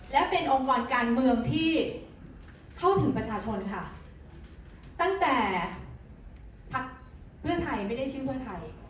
และเป็นองค์กรการเมืองที่เข้าถึงประชาชนค่ะตั้งแต่พักเพื่อไทยไม่ได้ชื่อเพื่อไทย